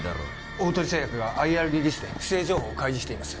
大鳥製薬がＩＲリリースで不正情報を開示しています